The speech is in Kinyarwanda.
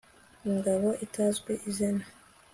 ingabo itazwi izina